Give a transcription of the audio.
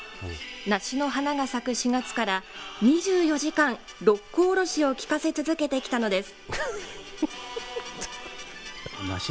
梨の花が咲く４月から２４時間、六甲おろしを聞かせ続けてきたのです。